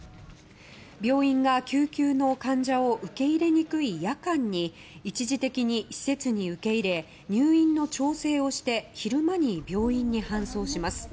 病院が救急の患者を受け入れにくい夜間に一時的に施設に受け入れ入院の調整をして昼間に病院に搬送します。